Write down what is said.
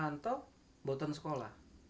namanya kami isso sekolah